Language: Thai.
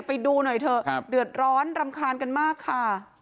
ไปดูหน่อยเถอะเดือดร้อนรำคาญกันมากค่ะ